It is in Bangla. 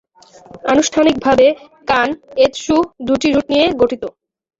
আনুষ্ঠানিকভাবে, কান-এৎসু দুটি রুট নিয়ে গঠিত।